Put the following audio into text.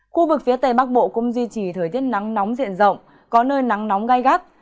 khu vực phía tây bắc bộ cũng duy trì thời tiết nắng nóng diện rộng có nơi nắng nóng gai gắt